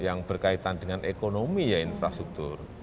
ini juga berkaitan dengan ekonomi infrastruktur